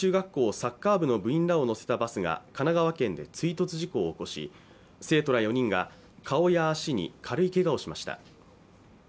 サッカー部の部員らを乗せたバスが神奈川県で追突事故を起こし生徒ら４人が顔や足に軽いけがをしました